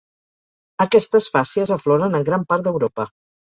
Aquestes fàcies afloren en gran part d'Europa.